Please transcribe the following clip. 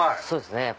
そうですね。